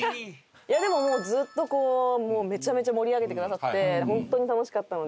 いやでもずっとこうもうめちゃめちゃ盛り上げてくださって本当に楽しかったので。